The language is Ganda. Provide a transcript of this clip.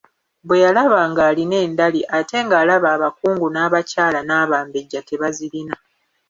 Bwe yalaba ng'alina endali ate ng'alaba abakungu n'abakyala n'Abambejja tebazirina.